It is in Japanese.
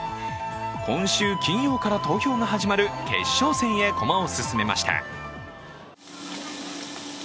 今週金曜から投票が始まる決勝戦へ駒を進めました。